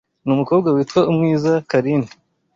n’umukobwa witwa Umwiza Carine